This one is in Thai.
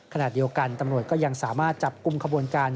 ขณะเดียวกันตำรวจก็ยังสามารถจับกลุ่มขบวนการ